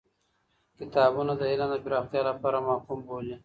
کتابونه د علم د پراختیا لپاره محکوم بولی.